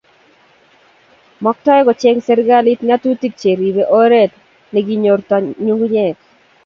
Maktoi kocheng serikalit ngatutik cheribei oret nikakinyorto nyukunyeg